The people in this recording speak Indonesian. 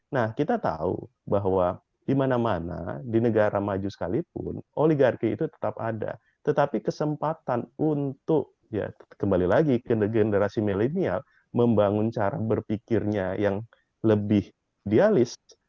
nah kita tahu bahwa di mana mana di negara maju sekalipun oligarki itu tetap ada tetapi kesempatan untuk ya kembali lagi ke generasi milenial membangun cara berpikirnya yang lebih dialis